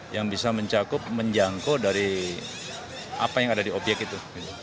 yang bisa mencakup menjangkau dari apa yang ada di obyek itu